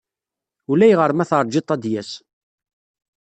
Ulayɣer ma teṛjiḍ-t ad d-yas.